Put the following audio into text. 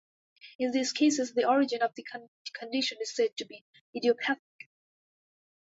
In these cases, the origin of the condition is said to be idiopathic.